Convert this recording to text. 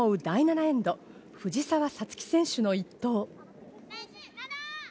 第７エンド、藤澤五月選手の１投。